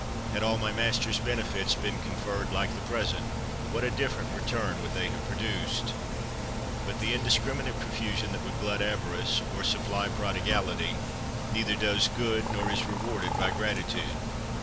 Had all my master's benefits been conferred like the present, what a different return would they have produced! But the indiscriminate profusion that would glut avarice, or supply prodigality, neither does good, nor is rewarded by gratitude.